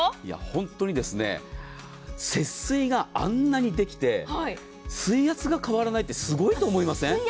本当に節水があんなにできて水圧が変わらないってすごいと思いません？